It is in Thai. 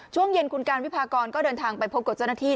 ช่วงเย็นคุณการวิพากรก็เดินทางไปพบกับเจ้าหน้าที่